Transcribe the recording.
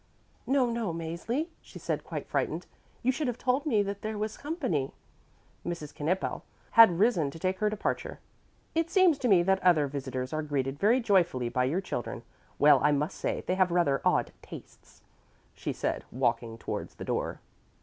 "No, no, Mäzli," she said quite frightened, "you should have told me that there was company." Mrs. Knippel had risen to take her departure: "It seems to me that other visitors are greeted very joyfully by your children. Well, I must say they have rather odd tastes," she said, walking towards the door.